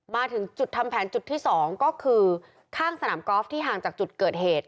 มาถึงจุดทำแผนจุดที่๒ก็คือข้างสนามกอล์ฟที่ห่างจากจุดเกิดเหตุ